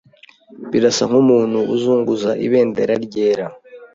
Birasa nkumuntu uzunguza ibendera ryera.